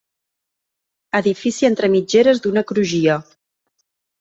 Edifici entre mitgeres d'una crugia.